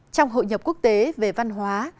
trong hội nhập quốc tế về văn hóa